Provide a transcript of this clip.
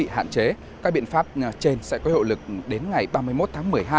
hạn chế các biện pháp trên sẽ có hậu lực đến ngày ba mươi một tháng một mươi hai